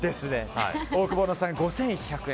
オオクボーノさん５１００円。